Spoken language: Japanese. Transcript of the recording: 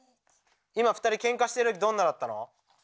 今２人ケンカしてる時どんなだったの？